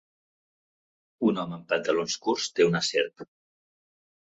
Un home amb pantalons curts té una serp